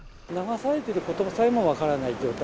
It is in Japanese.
流されてることさえも分からない状態。